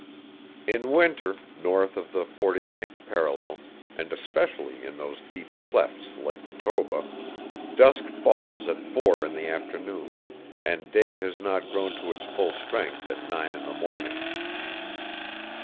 In winter, north of the forty ninth parallel, and especially in those deep clefts like the Toba, dusk falls at four in the afternoon, and day has not grown to its full strength at nine in the morning.